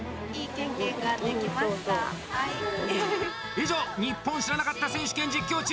以上「ニッポン知らなかった選手権実況中！」